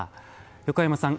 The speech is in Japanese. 横山さん